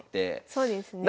そうですね。